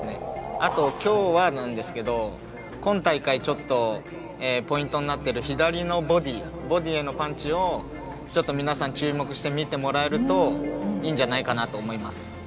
あと今日なんですけれども、今大会ちょっとポイントになっている左のボディへのパンチをちょっと皆さん、注目して見てもらえるといいんじゃないかなと思います。